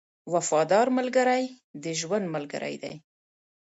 • وفادار ملګری د ژوند ملګری دی.